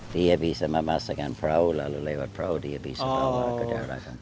dia bisa memasakkan perahu lalu lewat perahu dia bisa bawa ke daratan